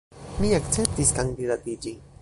Mi akceptis kandidatiĝi.